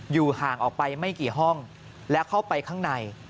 ห่างออกไปไม่กี่ห้องและเข้าไปข้างใน